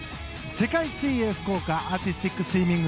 世界水泳福岡アーティスティックスイミング。